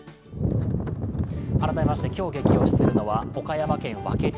改めまして、今日、ゲキ推しするのは岡山県和気町。